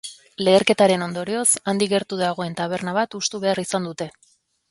Leherketaren ondorioz, handik gertu dagoen taberna bat hustu behar izan dute.